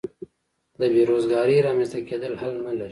د بې روزګارۍ رامینځته کېدل حل نه لري.